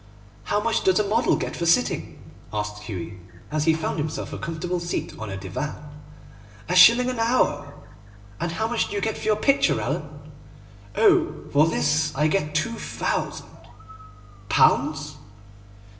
'How much does a model get for sitting?' asked Hughie, as he found himself a comfortable seat on a divan. 'A shilling an hour.' 'And how much do you get for your picture, Alan?' 'Oh, for this I get two thousand!' 'Pounds?